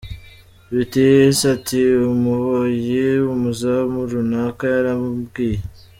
Bitihise ati umuboyi, umuzamu runaka yarambwiye !